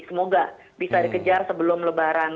semoga bisa dikejar sebelum lebaran